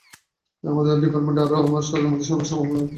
আপনার ডিপার্টমেন্ট আর আমার সম্পর্ক অনেক আগেই শেষ হয়ে গিয়েছে।